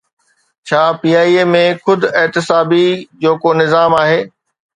ڇا پي ٽي آءِ ۾ خود احتسابي جو ڪو نظام آهي؟